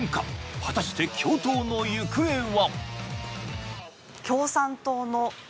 果たして、共闘の行方は。